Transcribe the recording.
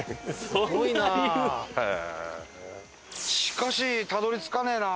しかしたどり着かねえな。